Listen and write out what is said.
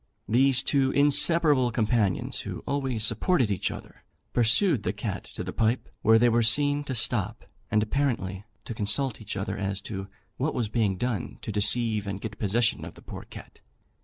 These two inseparable companions, who always supported each other, pursued the cat to the pipe, where they were seen to stop, and apparently to consult each other as to what was to be done to deceive and get possession of the poor cat.